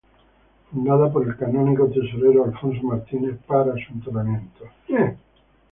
Fundada por el canónigo tesorero Alfonso Martínez para su enterramiento.